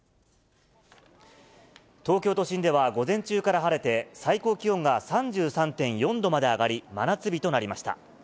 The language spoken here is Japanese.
東京都心では、午前中から晴れて、最高気温が３３．４度まで上がり、真夏日となりました。